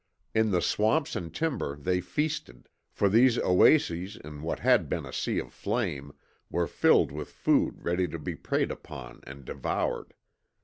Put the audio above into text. In the swamps and timber they feasted, for these oases in what had been a sea of flame were filled with food ready to be preyed upon and devoured.